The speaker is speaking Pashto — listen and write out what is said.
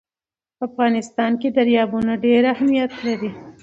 په افغانستان کې دریابونه ډېر اهمیت لري.